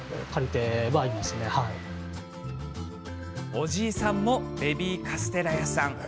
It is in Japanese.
おじいさんもベビーカステラ屋さん。